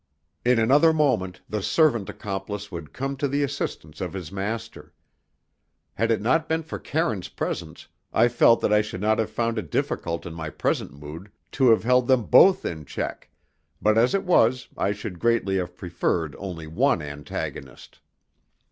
In another moment the servant accomplice would come to the assistance of his master. Had it not been for Karine's presence I felt that I should not have found it difficult in my present mood to have held them both in check, but as it was I should greatly have preferred only one antagonist.